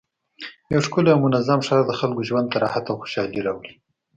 یو ښکلی او منظم ښار د خلکو ژوند ته راحت او خوشحالي راوړي